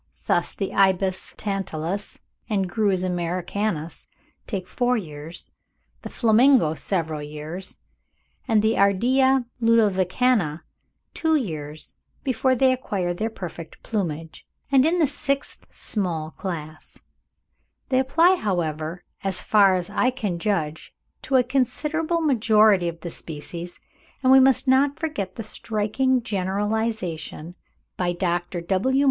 Thus the Ibis tantalus and Grus americanus take four years, the Flamingo several years, and the Ardea ludovicana two years, before they acquire their perfect plumage. See Audubon, ibid. vol. i. p. 221; vol. iii. pp. 133, 139, 211.), and in the sixth small class. They apply, however, as far as I can judge, to a considerable majority of the species; and we must not forget the striking generalisation by Dr. W.